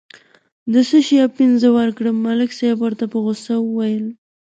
د څه شي اپین زه ورکړم، ملک ورته په غوسه وویل.